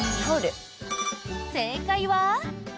正解は。